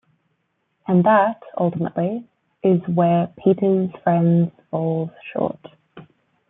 And that, ultimately, is where "Peter's Friends" falls short.